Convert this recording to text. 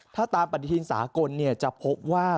ถ้าตามปฏิทินสากลจะพบว่า